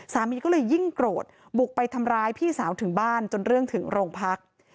สามีก็เลยยิ่งโกรธบุกไปทำร้ายพี่สาวถึงบ้านจนเรื่องถึงโรงพัก